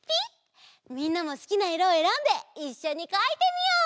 みんなもすきないろをえらんでいっしょにかいてみよう！